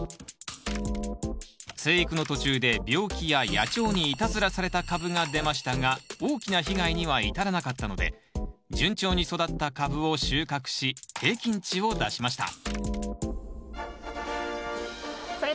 生育の途中で病気や野鳥にいたずらされた株が出ましたが大きな被害には至らなかったので順調に育った株を収穫し平均値を出しました